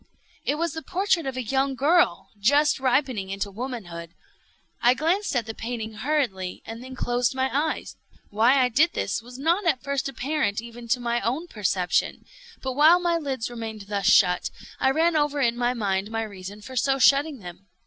It was the portrait of a young girl just ripening into womanhood. I glanced at the painting hurriedly, and then closed my eyes. Why I did this was not at first apparent even to my own perception. But while my lids remained thus shut, I ran over in my mind my reason for so shutting them.